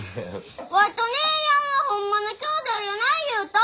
ワイと姉やんはホンマのきょうだいやない言うた！